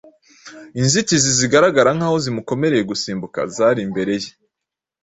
Inzitizi zagaragaraga nk’aho zimukomereye gusimbuka zari imbere ye,